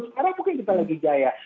sekarang mungkin kita lagi jaya